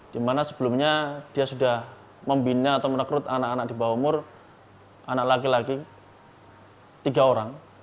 dimana sebelumnya dia sudah membina atau merekrut anak anak di bawah umur anak laki laki tiga orang